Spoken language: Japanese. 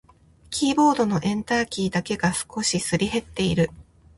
キーボードのエンターキーだけが少しすり減っている。